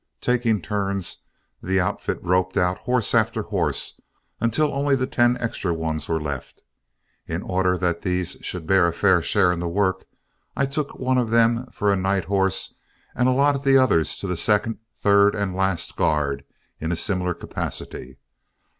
Taking turns, the outfit roped out horse after horse until only the ten extra ones were left. In order that these should bear a fair share in the work, I took one of them for a night horse and allotted the others to the second, third, and last guard in a similar capacity.